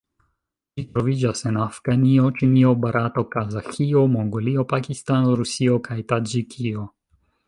Ĝi troviĝas en Afganio, Ĉinio, Barato, Kazaĥio, Mongolio, Pakistano, Rusio kaj Taĝikio.